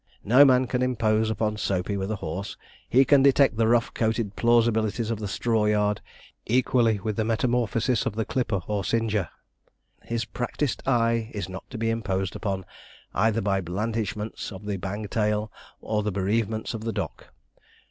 No man can impose upon Soapy with a horse. He can detect the rough coated plausibilities of the straw yard, equally with the metamorphosis of the clipper or singer. His practised eye is not to be imposed upon either by the blandishments of the bang tail, or the bereavements of the dock.